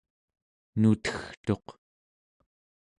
nutegtuq